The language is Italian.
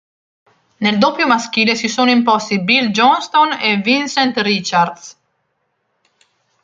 Nel doppio maschile si sono imposti Bill Johnston e Vincent Richards.